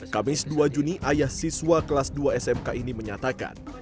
kamis dua juni ayah siswa kelas dua smk ini menyatakan